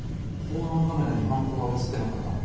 防犯カメラに犯行は写ってなかったの？